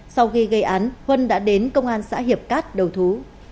sau khi gây án huân đã đến công an xã hiệp cát đầu thú